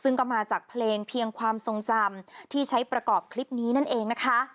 ซึ่งก็มาจากเพลงเพียงความทรงจำที่ใช้ประกอบคลิปนี้นั่นเองนะคะ